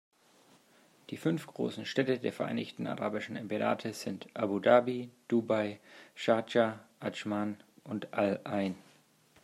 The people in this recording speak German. Die fünf großen Städte der Vereinigten Arabischen Emirate sind Abu Dhabi, Dubai, Schardscha, Adschman und Al-Ain.